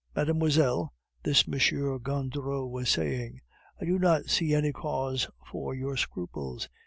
"Mademoiselle," this M. Gondureau was saying, "I do not see any cause for your scruples.